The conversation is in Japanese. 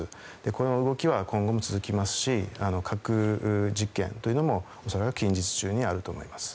この動きは今後も続きますし核実験も恐らく近日中にあると思います。